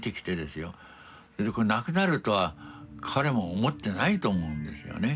これなくなるとは彼も思ってないと思うんですよね。